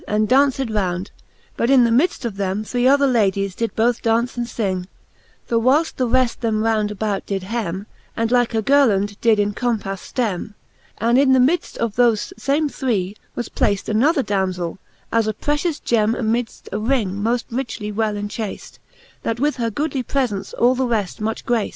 And daunced round ; but in the midft of them Three other Ladies did both daunce and fing, The whileft the reft them round about did hemme, And like a girjond did in compafle ftemme: And in the middeft of thofe fame three was placed Another Damzell, as a precious gemme Amidft a ring moft richly well enchaced, That with her goodly prefence all the reft much graced, XIII.